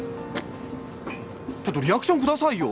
ちょっとリアクション下さいよ。